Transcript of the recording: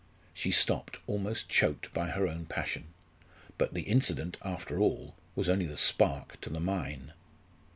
She stopped, almost choked by her own passion. But the incident, after all, was only the spark to the mine.